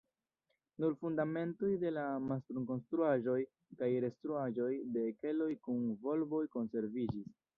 Nur fundamentoj de la mastrum-konstruaĵoj kaj restaĵoj de keloj kun volboj konserviĝis.